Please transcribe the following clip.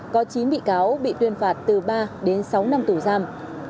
có chín bị cáo bị tuyên phạt từ ba đến sáu năm tù giam